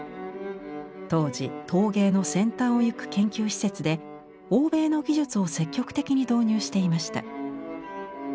当時陶芸の先端をゆく研究施設で欧米の技術を積極的に導入していました。